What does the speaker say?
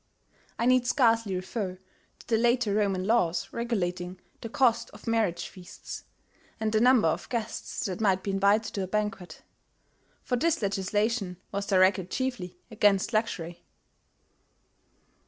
(I need scarcely refer to the later Roman laws regulating the cost of marriage feasts, and the number of guests that might be invited to a banquet; for this legislation was directed chiefly against luxury.)